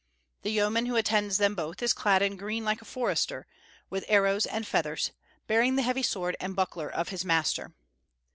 The yeoman who attends them both is clad in green like a forester, with arrows and feathers, bearing the heavy sword and buckler of his master.